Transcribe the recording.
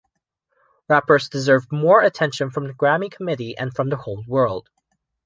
Rappers deserve more attention from the Grammy committee and from the whole world.